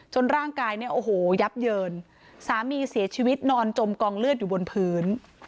ร่างกายเนี่ยโอ้โหยับเยินสามีเสียชีวิตนอนจมกองเลือดอยู่บนพื้น